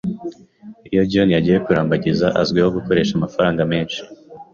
Iyo John yagiye kurambagiza, azwiho gukoresha amafaranga menshi.